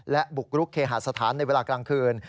และบุกรุกเคหาสถานในเวลากลางคืน